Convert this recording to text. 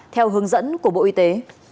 theo hướng dẫn của bộ y tế